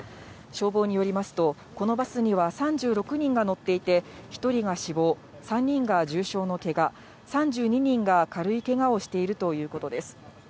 消防によりますと、このバスには３６人が乗っていて、１人が死亡、３人が重傷のけが、３２人が軽いけがをしているということです。